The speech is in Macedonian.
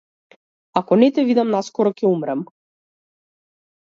Ако не те видам наскоро ќе умрам.